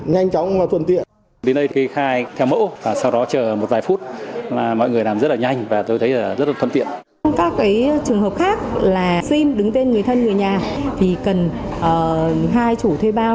hợp khác là sim đứng tên người thân người nhà thì cần hai chủ thuê bao